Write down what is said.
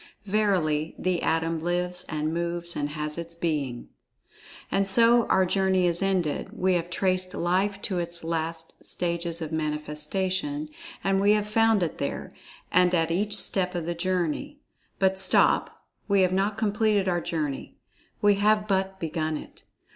Verily, the Atom lives and moves and has its being. And, so our journey is ended—we have traced Life to its last stages of manifestations—and we have found it there, and at each step of the journey. But, stop, we have not completed our journey—we have but begun it.